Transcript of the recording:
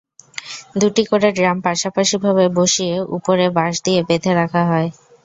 দুটি করে ড্রাম পাশাপাশিভাবে বসিয়ে ওপরে বাঁশ দিয়ে বেঁধে রাখা হয়।